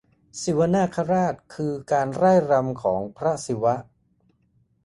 ศิวนาฎราช คือการร่ายรำของพระศิวะ